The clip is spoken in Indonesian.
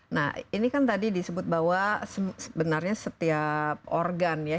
nah ini kan tadi disebut bahwa sebenarnya setiap organ ya